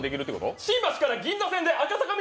新橋から銀座線で赤坂見附。